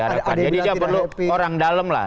jadi dia perlu orang dalem lah